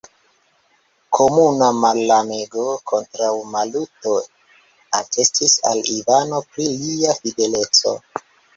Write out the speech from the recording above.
Komuna malamego kontraŭ Maluto atestis al Ivano pri lia fideleco.